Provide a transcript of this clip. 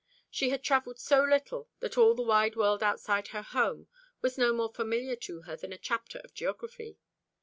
She had travelled so little, that all the wide world outside her own home was no more familiar to her than a chapter of geography.